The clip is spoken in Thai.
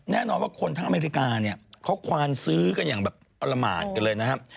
แน่นอนว่าคนทั้งอเมริกาเนี่ยเขาควานซื้อกันอย่างแบบอลหมาดกันเลยนะครับ